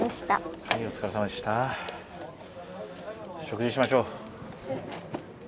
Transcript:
食事しましょう。